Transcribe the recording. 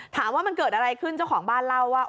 ถามว่ามันเกิดอะไรขึ้นเจ้าของบ้านเล่าว่า